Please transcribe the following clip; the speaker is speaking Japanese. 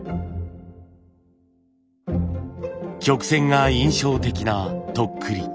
曲線が印象的なとっくり。